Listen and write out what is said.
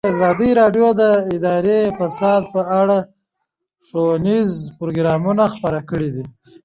ازادي راډیو د اداري فساد په اړه ښوونیز پروګرامونه خپاره کړي.